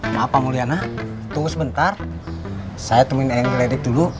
pak pak mulyana tunggu sebentar saya temuin eng kledik dulu